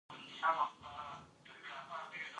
هغه لیک د افغانستان د دموکراتیک جمهوریت د موقف څرګندونه کوي.